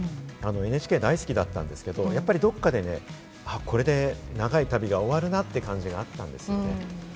ＮＨＫ大好きだったんですけれども、どこかでこれで長い旅が終わるなという感じがあったんですよね。